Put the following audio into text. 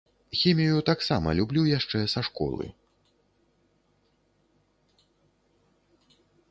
Хімію таксама люблю яшчэ са школы.